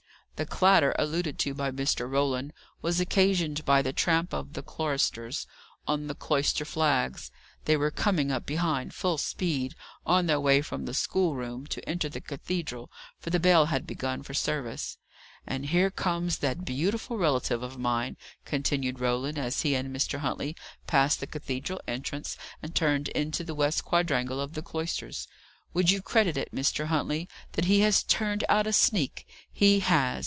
The clatter, alluded to by Mr. Roland, was occasioned by the tramp of the choristers on the cloister flags. They were coming up behind, full speed, on their way from the schoolroom to enter the cathedral, for the bell had begun for service. "And here comes that beautiful relative of mine," continued Roland, as he and Mr. Huntley passed the cathedral entrance, and turned into the west quadrangle of the cloisters. "Would you credit it, Mr. Huntley, that he has turned out a sneak? He has.